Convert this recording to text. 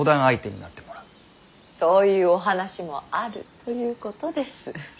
そういうお話もあるということです。